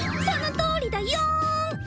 そのとおりだよん！